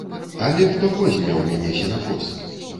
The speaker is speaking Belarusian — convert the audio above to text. Але хто возьме ў мяне сенакос?